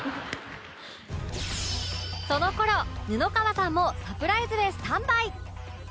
その頃布川さんもサプライズへスタンバイ